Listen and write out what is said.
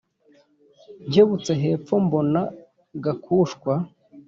nkebutse hepfo mbona gakushwa